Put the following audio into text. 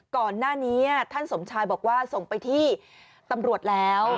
ก่อนหน้านี้ท่านสมชายบอกว่าส่งไปที่ตำรวจแล้ว